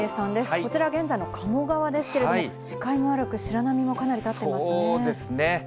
こちら、現在の鴨川ですけれども、視界も悪く、白波もかなり立ってそうですね。